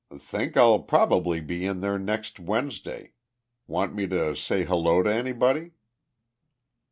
"Think I'll probably be in there next Wednesday. Want me to say 'Hello' to anybody?"